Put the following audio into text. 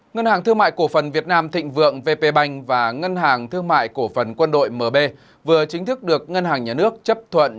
ngân hàng thương mại cổ phần việt nam thịnh vượng vp bank và ngân hàng thương mại cổ phần quân đội mb vừa chính thức được ngân hàng nhà nước chấp thuận